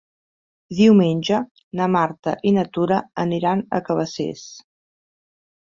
Diumenge na Marta i na Tura aniran a Cabacés.